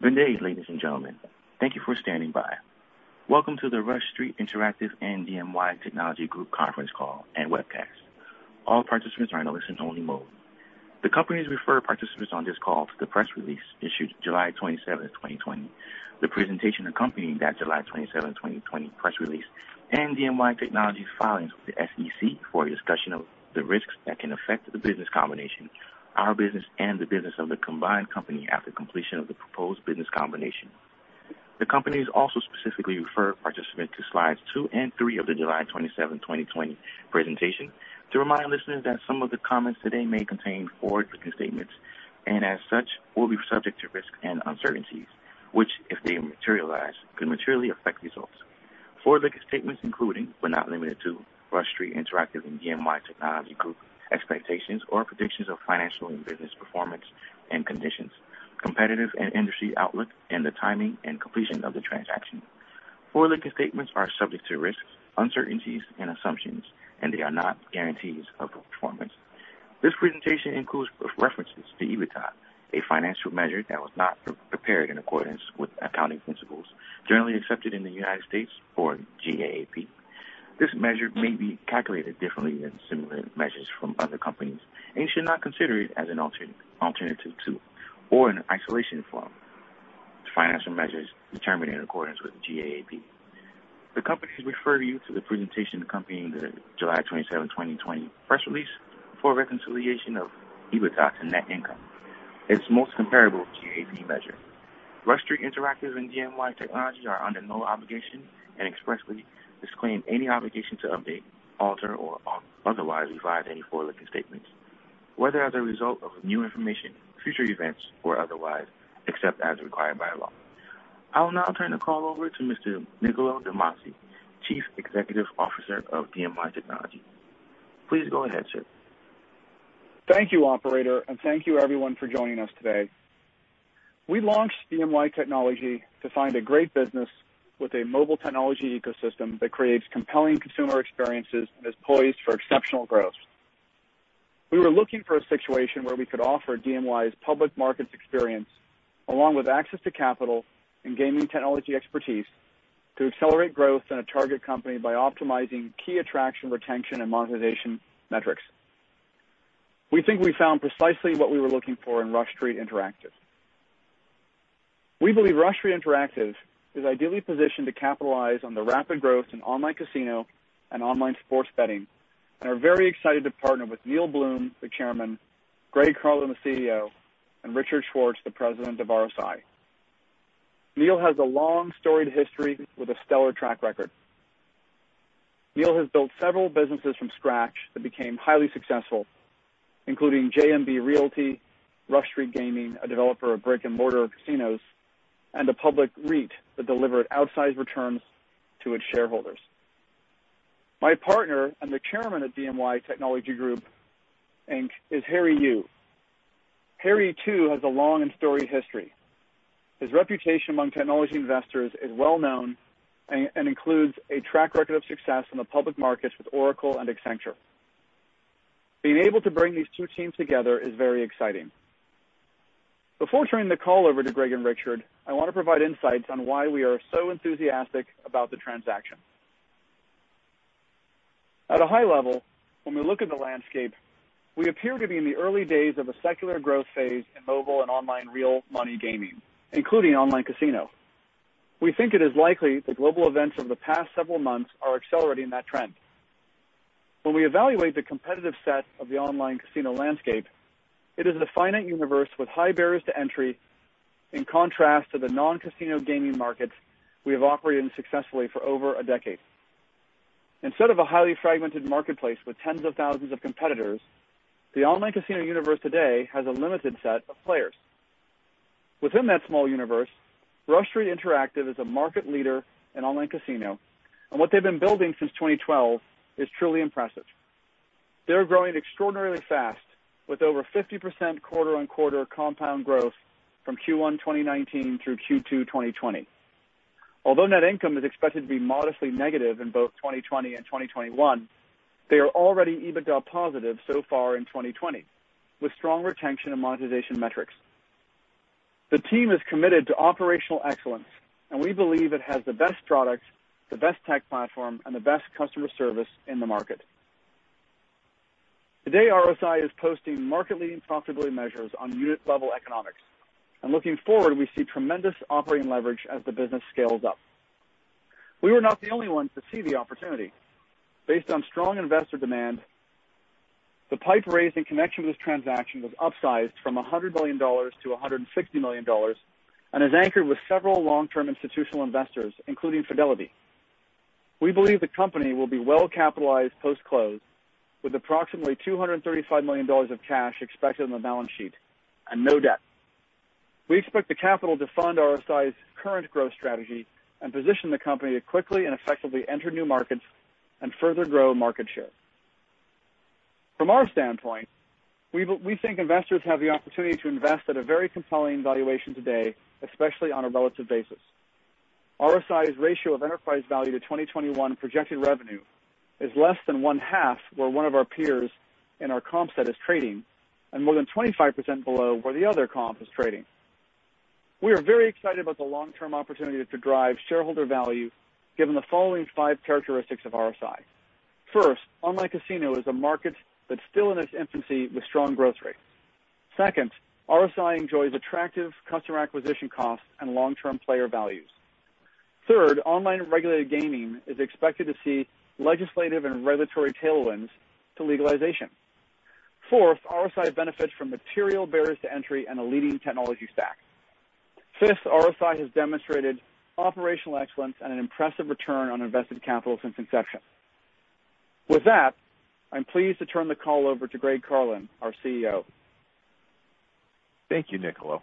The companies refer participants on this call to the press release issued July 27th, 2020. The presentation accompanying that July 27th, 2020 press release and dMY Technology Group's filings with the SEC for a discussion of the risks that can affect the Business Combination, our business, and the business of the combined company after completion of the proposed Business Combination. The companies also specifically refer participants to slides two and three of the July 27th, 2020 presentation to remind listeners that some of the comments today may contain forward-looking statements, and as such, will be subject to risks and uncertainties, which, if they materialize, could materially affect results. Forward-looking statements including, but not limited to, Rush Street Interactive and dMY Technology Group expectations or predictions of financial and business performance and conditions, competitive and industry outlook, and the timing and completion of the transaction. Forward-looking statements are subject to risks, uncertainties, and assumptions, and they are not guarantees of performance. This presentation includes references to EBITDA, a financial measure that was not prepared in accordance with accounting principles generally accepted in the United States or GAAP. This measure may be calculated differently than similar measures from other companies, and you should not consider it as an alternative to or an isolation from financial measures determined in accordance with GAAP. The companies refer you to the presentation accompanying the July 27th, 2020 press release for a reconciliation of EBITDA to net income, its most comparable GAAP measure. Rush Street Interactive and dMY Technologies are under no obligation and expressly disclaim any obligation to update, alter, or otherwise revise any forward-looking statements, whether as a result of new information, future events, or otherwise, except as required by law. I will now turn the call over to Mr. Niccolo de Masi, Chief Executive Officer of dMY Technology. Please go ahead, sir. Thank you, operator, and thank you everyone for joining us today. We launched dMY Technology to find a great business with a mobile technology ecosystem that creates compelling consumer experiences and is poised for exceptional growth. We were looking for a situation where we could offer dMY's public markets experience along with access to capital and gaming technology expertise to accelerate growth in a target company by optimizing key attraction, retention, and monetization metrics. We think we found precisely what we were looking for in Rush Street Interactive. We believe Rush Street Interactive is ideally positioned to capitalize on the rapid growth in Online Casino and Online Sports Betting and are very excited to partner with Neil Bluhm, the Chairman, Greg Carlin, the CEO, and Richard Schwartz, the President of RSI. Neil has a long, storied history with a stellar track record. Neil has built several businesses from scratch that became highly successful, including JMB Realty, Rush Street Gaming, a developer of brick-and-mortar casinos, and a public REIT that delivered outsized returns to its shareholders. My Partner and the Chairman of dMY Technology Group, Inc., is Harry You. Harry too has a long and storied history. His reputation among technology investors is well-known and includes a track record of success in the public markets with Oracle and Accenture. Being able to bring these two teams together is very exciting. Before turning the call over to Greg and Richard, I want to provide insights on why we are so enthusiastic about the transaction. At a high-level, when we look at the landscape, we appear to be in the early days of a secular growth phase in mobile and online real money gaming, including Online Casino. We think it is likely that global events over the past several months are accelerating that trend. When we evaluate the competitive set of the Online Casino landscape, it is a finite universe with high barriers to entry, in contrast to the non-casino gaming markets we have operated in successfully for over a decade. Instead of a highly fragmented marketplace with tens of thousands of competitors, the Online Casino universe today has a limited set of players. Within that small universe, Rush Street Interactive is a market leader in Online Casino, and what they've been building since 2012 is truly impressive. They're growing extraordinarily fast with over 50% quarter-on-quarter compound growth from Q1 2019 through Q2 2020. Although net income is expected to be modestly negative in both 2020 and 2021, they are already EBITDA positive so far in 2020 with strong retention and monetization metrics. The team is committed to operational excellence, and we believe it has the best products, the best tech platform, and the best customer service in the market. Today, RSI is posting market-leading profitability measures on unit-level economics, and looking forward, we see tremendous operating leverage as the business scales up. We were not the only ones to see the opportunity. Based on strong investor demand, the PIPE raise in connection with this transaction was upsized from $100 million-$160 million and is anchored with several long-term institutional investors, including Fidelity. We believe the company will be well-capitalized post-close with approximately $235 million of cash expected on the balance sheet and no debt. We expect the capital to fund RSI's current growth strategy and position the company to quickly and effectively enter new markets and further grow market share. From our standpoint, we think investors have the opportunity to invest at a very compelling valuation today, especially on a relative basis. RSI's ratio of enterprise value to 2021 projected revenue is less than 1.5 where one of our peers in our comp set is trading, and more than 25% below where the other comp is trading. We are very excited about the long-term opportunity to drive shareholder value given the following five characteristics of RSI. First, Online Casino is a market that's still in its infancy with strong growth rates. Second, RSI enjoys attractive customer acquisition costs and long-term player values. Third, online regulated gaming is expected to see legislative and regulatory tailwinds to legalization. Fourth, RSI benefits from material barriers to entry and a leading technology stack. Fifth, RSI has demonstrated operational excellence and an impressive return on invested capital since inception. With that, I'm pleased to turn the call over to Greg Carlin, our CEO. Thank you, Niccolo.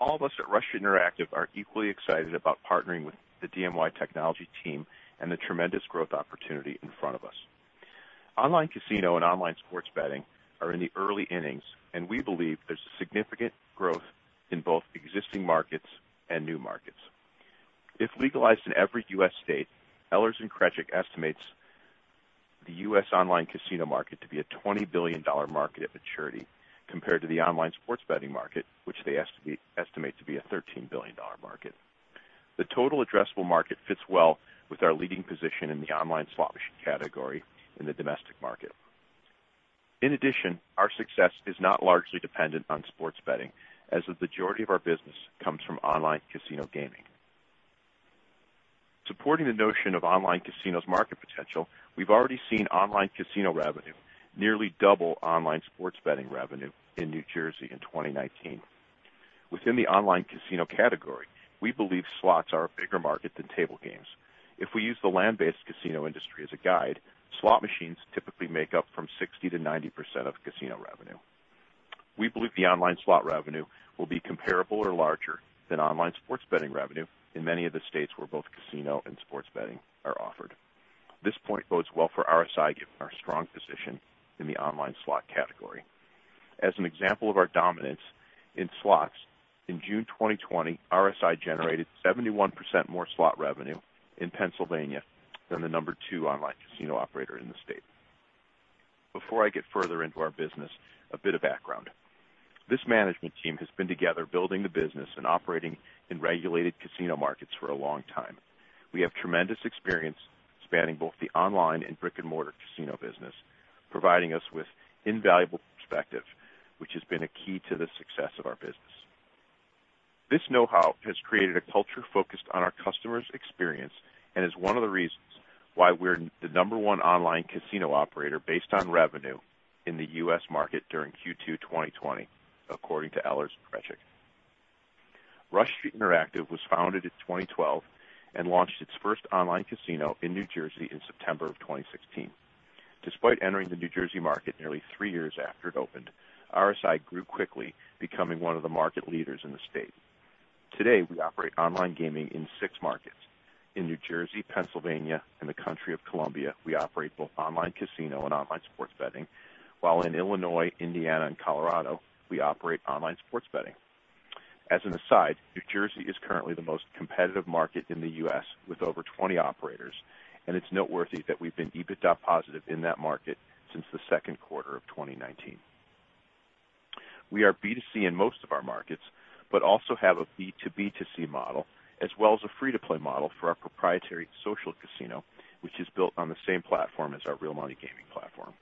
All of us at Rush Street Interactive are equally excited about partnering with the dMY Technology team and the tremendous growth opportunity in front of us. Online Casino and Online Sports Betting are in the early innings, and we believe there's significant growth in both existing markets and new markets. If legalized in every U.S. state, Eilers & Krejcik estimates the U.S. Online Casino market to be a $20 billion market at maturity, compared to the Online Sports Betting market, which they estimate to be a $13 billion market. The total addressable market fits well with our leading position in the online slot machine category in the domestic market. In addition, our success is not largely dependent on Sports Betting, as the majority of our business comes from Online Casino Gaming. Supporting the notion of Online Casinos' market potential, we've already seen Online Casino revenue nearly double Online Sports Betting revenue in New Jersey in 2019. Within the Online Casino category, we believe slots are a bigger market than table games. If we use the land-based casino industry as a guide, slot machines typically make up from 60%-90% of casino revenue. We believe the online slot revenue will be comparable or larger than Online Sports Betting revenue in many of the states where both casino and sports betting are offered. This point bodes well for RSI, given our strong position in the online slot category. As an example of our dominance in slots, in June 2020, RSI generated 71% more slot revenue in Pennsylvania than the number two Online Casino operator in the state. Before I get further into our business, a bit of background. This management team has been together building the business and operating in regulated casino markets for a long time. We have tremendous experience spanning both the Online and brick-and-mortar Casino business, providing us with invaluable perspective, which has been a key to the success of our business. This knowhow has created a culture focused on our customers' experience and is one of the reasons why we're the number one Online Casino operator based on revenue in the U.S. market during Q2 2020, according to Eilers & Krejcik. Rush Street Interactive was founded in 2012 and launched its first Online Casino in New Jersey in September of 2016. Despite entering the New Jersey market nearly three years after it opened, RSI grew quickly, becoming one of the market leaders in the state. Today, we operate online gaming in six markets. In New Jersey, Pennsylvania, and the country of Colombia, we operate both Online Casino and Online Sports Betting, while in Illinois, Indiana, and Colorado, we operate Online Sports Betting. As an aside, New Jersey is currently the most competitive market in the U.S. with over 20 operators, and it's noteworthy that we've been EBITDA positive in that market since the second quarter of 2019. We are B2C in most of our markets but also have a B2B2C model, as well as a free-to-play model for our proprietary social casino, which is built on the same platform as our real money gaming platform.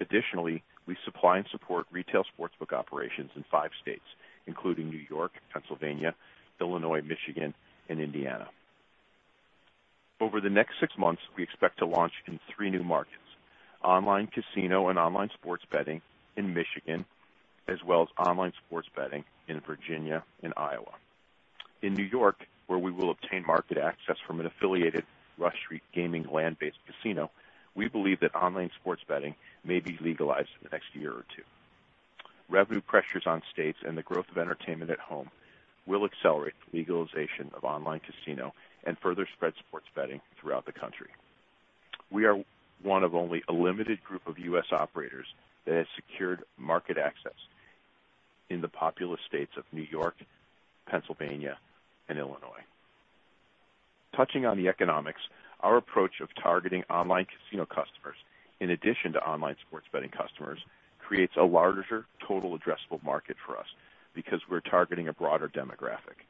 Additionally, we supply and support retail sportsbook operations in five states, including New York, Pennsylvania, Illinois, Michigan, and Indiana. Over the next six months, we expect to launch in three new markets, Online Casino and Online Sports Betting in Michigan, as well as Online Sports Betting in Virginia and Iowa. In New York, where we will obtain market access from an affiliated Rush Street Gaming land-based casino, we believe that Online Sports Betting may be legalized in the next year or two. Revenue pressures on states and the growth of entertainment at home will accelerate the legalization of Online Casino and further spread sports betting throughout the country. We are one of only a limited group of U.S. operators that has secured market access in the populous states of New York, Pennsylvania, and Illinois. Touching on the economics, our approach of targeting Online Casino customers, in addition to Online Sports Betting customers, creates a larger total addressable market for us because we're targeting a broader demographic.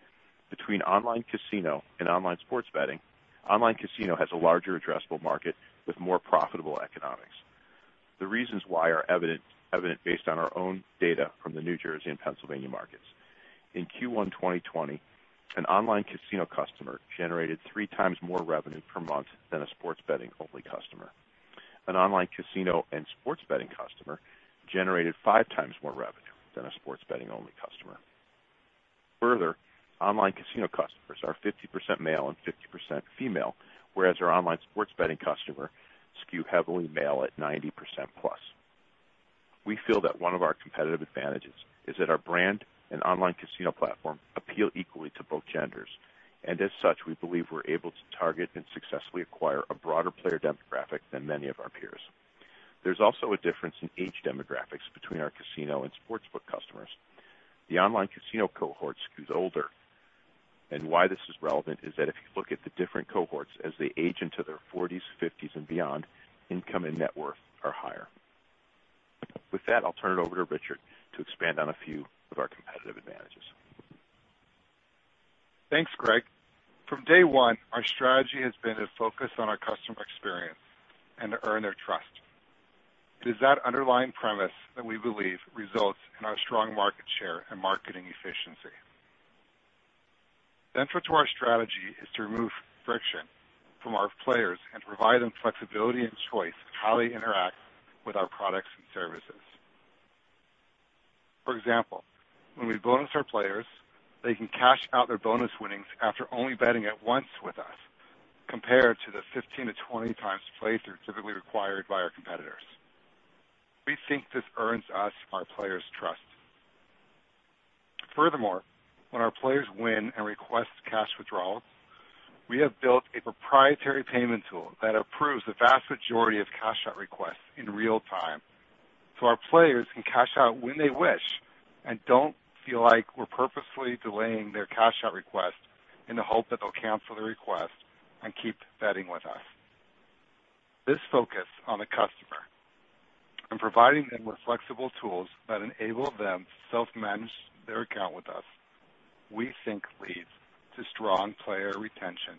Between Online Casino and Online Sports Betting, Online Casino has a larger addressable market with more profitable economics. The reasons why are evident based on our own data from the New Jersey and Pennsylvania markets. In Q1 2020, an Online Casino customer generated three times more revenue per month than a sports betting-only customer. An Online Casino and Sports Betting customer generated five times more revenue than a sports betting-only customer. Further, Online Casino customers are 50% male and 50% female, whereas our Online Sports Betting customer skew heavily male at 90%+. We feel that one of our competitive advantages is that our brand and Online Casino platform appeal equally to both genders, and as such, we believe we're able to target and successfully acquire a broader player demographic than many of our peers. There's also a difference in age demographics between our casino and sportsbook customers. The Online Casino cohort skews older. Why this is relevant is that if you look at the different cohorts as they age into their 40s, 50s, and beyond, income and net worth are higher. With that, I'll turn it over to Richard to expand on a few of our competitive advantages. Thanks, Greg. From day one, our strategy has been to focus on our customer experience and to earn their trust. It is that underlying premise that we believe results in our strong market share and marketing efficiency. Central to our strategy is to remove friction from our players and provide them flexibility and choice in how they interact with our products and services. For example, when we bonus our players, they can cash out their bonus winnings after only betting it once with us, compared to the 15x to 20x plays that are typically required by our competitors. We think this earns us our players' trust. Furthermore, when our players win and request cash withdrawals, we have built a proprietary payment tool that approves the vast majority of cash-out requests in real time, so our players can cash out when they wish and don't feel like we're purposefully delaying their cash-out request in the hope that they'll cancel the request and keep betting with us. This focus on the customer and providing them with flexible tools that enable them to self-manage their account with us, we think leads to strong player retention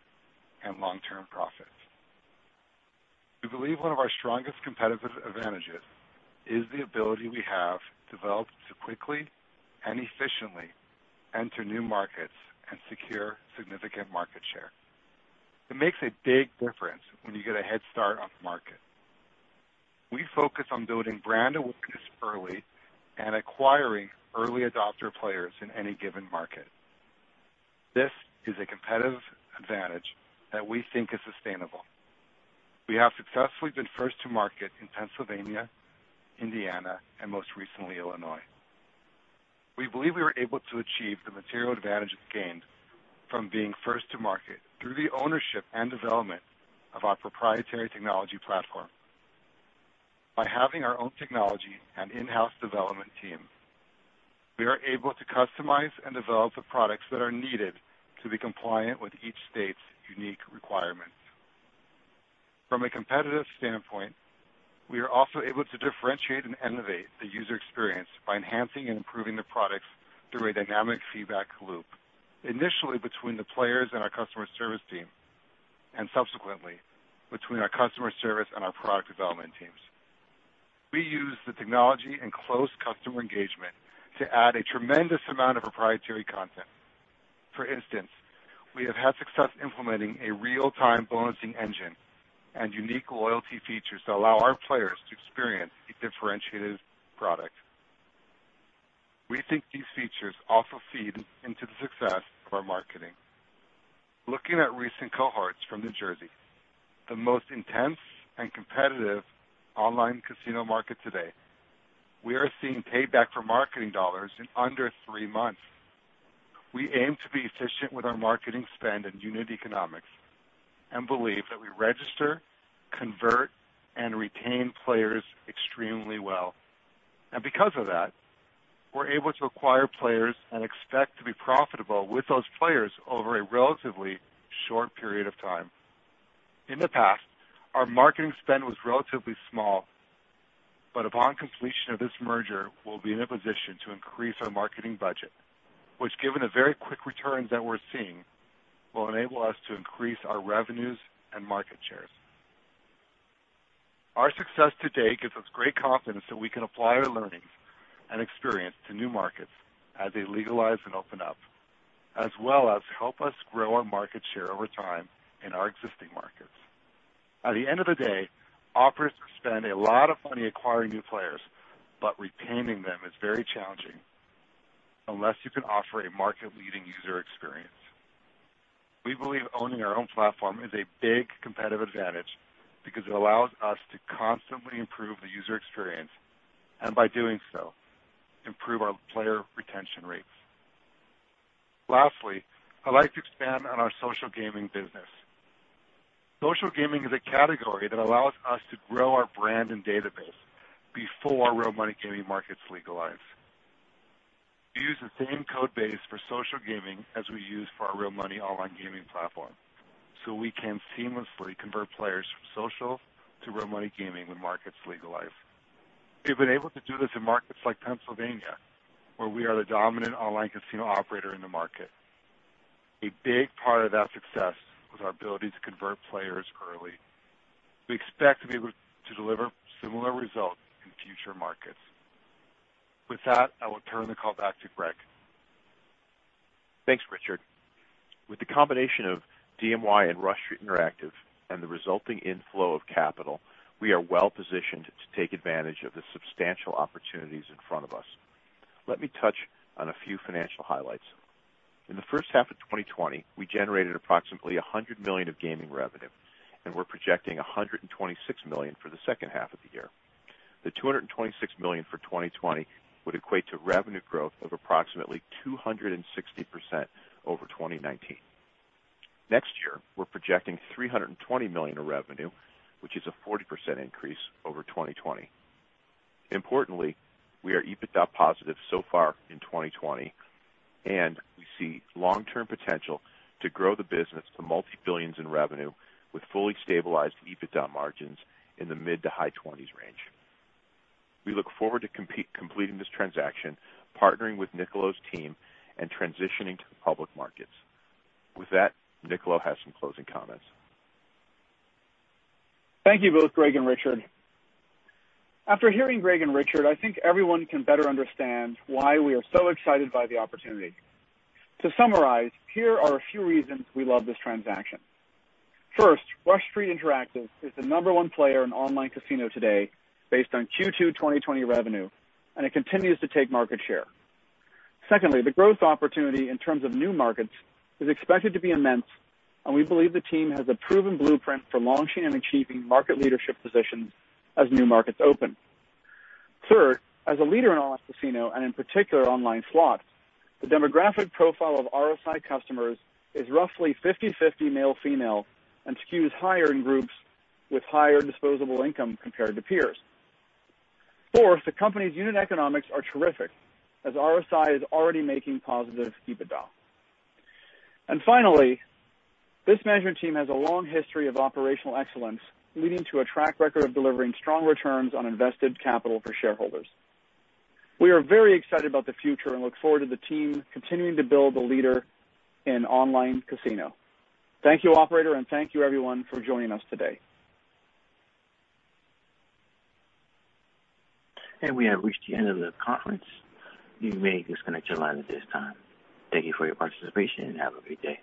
and long-term profits. We believe one of our strongest competitive advantages is the ability we have developed to quickly and efficiently enter new markets and secure significant market share. It makes a big difference when you get a head start on the market. We focus on building brand awareness early and acquiring early adopter players in any given market. This is a competitive advantage that we think is sustainable. We have successfully been first to market in Pennsylvania, Indiana, and most recently, Illinois. We believe we were able to achieve the material advantage gained from being first to market through the ownership and development of our proprietary technology platform. By having our own technology and in-house development team, we are able to customize and develop the products that are needed to be compliant with each state's unique requirements. From a competitive standpoint, we are also able to differentiate and innovate the user experience by enhancing and improving the products through a dynamic feedback loop, initially between the players and our customer service team, and subsequently between our customer service and our product development teams. We use the technology and close customer engagement to add a tremendous amount of proprietary content. For instance, we have had success implementing a real-time bonusing engine and unique loyalty features that allow our players to experience a differentiated product. We think these features also feed into the success of our marketing. Looking at recent cohorts from New Jersey, the most intense and competitive Online Casino market today, we are seeing payback for marketing dollars in under three months. We aim to be efficient with our marketing spend and unit economics and believe that we register, convert, and retain players extremely well. Because of that, we're able to acquire players and expect to be profitable with those players over a relatively short period of time. In the past, our marketing spend was relatively small, but upon completion of this merger, we'll be in a position to increase our marketing budget, which, given the very quick returns that we're seeing, will enable us to increase our revenues and market shares. Our success to date gives us great confidence that we can apply our learnings and experience to new markets as they legalize and open up, as well as help us grow our market share over time in our existing markets. At the end of the day, operators spend a lot of money acquiring new players, but retaining them is very challenging unless you can offer a market-leading user experience. We believe owning our own platform is a big competitive advantage because it allows us to constantly improve the user experience, and by doing so, improve our player retention rates. Lastly, I'd like to expand on our social gaming business. Social gaming is a category that allows us to grow our brand and database before real money gaming markets legalize. We use the same code base for social gaming as we use for our real money online gaming platform, so we can seamlessly convert players from social to real money gaming when markets legalize. We've been able to do this in markets like Pennsylvania, where we are the dominant Online Casino operator in the market. A big part of that success was our ability to convert players early. We expect to be able to deliver similar results in future markets. With that, I will turn the call back to Greg. Thanks, Richard. With the combination of dMY and Rush Street Interactive and the resulting inflow of capital, we are well-positioned to take advantage of the substantial opportunities in front of us. Let me touch on a few financial highlights. In the first half of 2020, we generated approximately $100 million of gaming revenue, and we're projecting $126 million for the second half of the year. The $226 million for 2020 would equate to revenue growth of approximately 260% over 2019. Next year, we're projecting $320 million of revenue, which is a 40% increase over 2020. Importantly, we are EBITDA positive so far in 2020, and we see long-term potential to grow the business to multi-billions in revenue with fully stabilized EBITDA margins in the mid-to-high twenties range. We look forward to completing this transaction, partnering with Niccolo's team and transitioning to the public markets. With that, Niccolo has some closing comments. Thank you both Greg and Richard. After hearing Greg and Richard, I think everyone can better understand why we are so excited by the opportunity. To summarize, here are a few reasons we love this transaction. First, Rush Street Interactive is the number one player in Online Casino today based on Q2 2020 revenue, and it continues to take market share. Secondly, the growth opportunity in terms of new markets is expected to be immense, and we believe the team has a proven blueprint for launching and achieving market leadership positions as new markets open. Third, as a leader in Online Casino and in particular online slots, the demographic profile of RSI customers is roughly 50/50 male/female and skews higher in groups with higher disposable income compared to peers. Fourth, the company's unit economics are terrific, as RSI is already making positive EBITDA. Finally, this management team has a long history of operational excellence, leading to a track record of delivering strong returns on invested capital for shareholders. We are very excited about the future and look forward to the team continuing to build a leader in Online Casino. Thank you, operator, thank you everyone for joining us today. We have reached the end of the conference. You may disconnect your line at this time. Thank you for your participation, and have a great day.